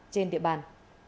trên địa bàn